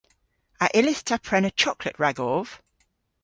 A yllydh ta prena choklet ragov?